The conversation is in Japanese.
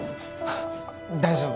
大丈夫？